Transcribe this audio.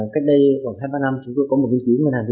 cách đây khoảng hai năm ba ở ngoài bắc